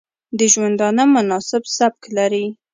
د ژوندانه مناسب سبک لري